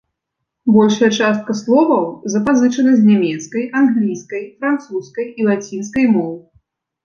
Большая частка словаў запазычана з нямецкай, англійскай, французскай і лацінскай моў.